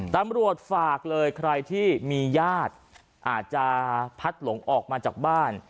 ตำรวจฝากเลยใครที่มีญาติอาจจะพัดหลงออกมาจากบ้าน